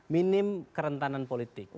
minim kerentanan politik